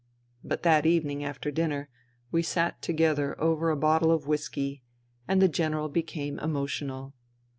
But that evening, after dinner, we sat together over a bottle of whisky, and the General became emotional.